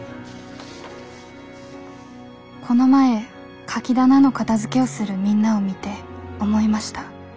「この前カキ棚の片づけをするみんなを見て思いました。